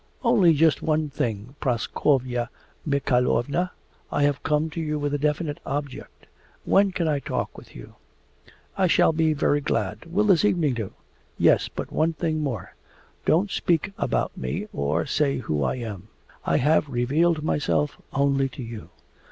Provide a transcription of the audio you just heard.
Only just one thing, Praskovya Mikhaylovna, I have come to you with a definite object. When can I have a talk with you?' 'I shall be very glad. Will this evening do?' 'Yes. But one thing more. Don't speak about me, or say who I am. I have revealed myself only to you.